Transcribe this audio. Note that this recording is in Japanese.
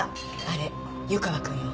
あれ湯川君よ。